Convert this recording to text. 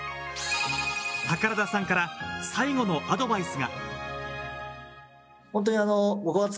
宝田さんから最後のアドバイスが。